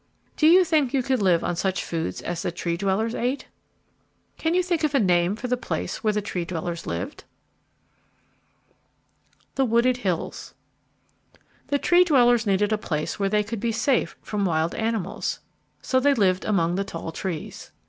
Do you think you could live on such foods as the Tree dwellers ate? Can you think of a name for the place where the Tree dwellers lived? The Wooded Hills The Tree dwellers needed a place where they could be safe from the wild animals. So they lived among the tall trees.